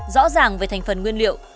rõ ràng về thành phần nguyên liệu